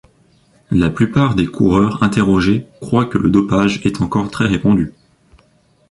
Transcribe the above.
La plupart des coureurs interrogés croient que le dopage est encore très répandu.